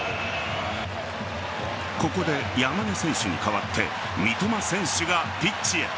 ここで山根選手に代わって三笘選手がピッチへ。